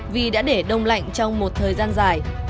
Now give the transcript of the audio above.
vì đã để đông lạnh trong một thời gian dài